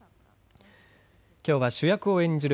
きょうは主役を演じる